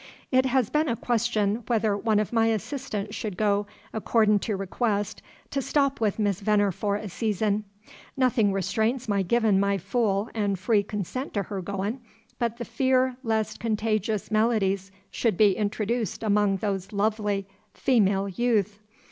It has been a question, whether one of my assistants should go, accordin' to request, to stop with Miss Venner for a season. Nothin' restrains my givin' my full and free consent to her goin' but the fear lest contagious maladies should be introdooced among those lovely female youth.